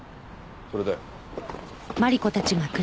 それだよ。